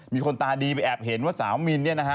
มีคนตาดีไปแอบเห็นว่าสาวมินเนี่ยนะฮะ